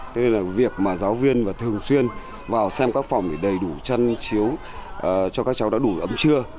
thế nên là việc mà giáo viên thường xuyên vào xem các phòng để đầy đủ chăn chiếu cho các cháu đã đủ ấm trưa